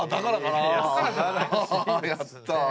やった！